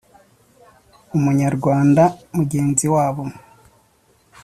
Umunyarwanda mugenzi wabo